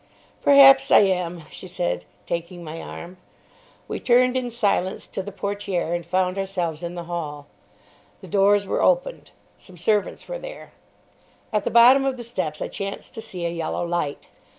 "Perhaps I am," she said, taking my arm. We turned in silence to the portière and found ourselves in the hall. The doors were opened. Some servants were there. At the bottom of the steps I chanced to see a yellow light.